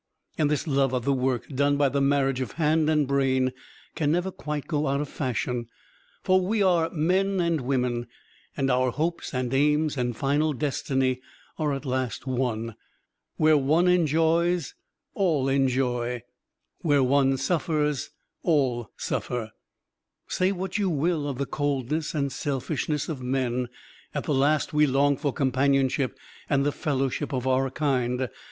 And this love of the work done by the marriage of hand and brain can never quite go out of fashion for we are men and women, and our hopes and aims and final destiny are at last one. Where one enjoys, all enjoy; where one suffers, all suffer. Say what you will of the coldness and selfishness of men, at the last we long for companionship and the fellowship of our kind.